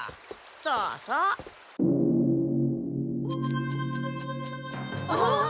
そうそう。あっ？